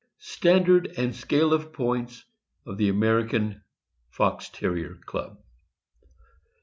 STANDARD AND SCALE OF POINTS OF THE AMERICAN FOX TERRIER CLUB.